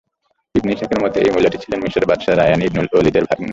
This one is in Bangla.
ইবন ইসহাকের মতে, এই মহিলাটি ছিলেন মিসরের বাদশাহ রায়্যান ইবনুল ওলীদের ভাগ্নী।